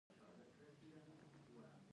د ګټې بیه به پنځوس سلنه شي